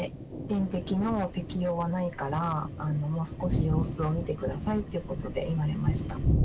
点滴の適用はないから、もう少し様子を見てくださいっていうことで、言われました。